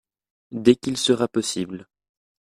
Dès qu’il sera possible.